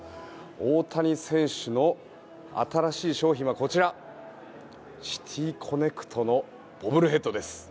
大谷選手の新しい商品はこちらシティーコネクトのボブルヘッドです。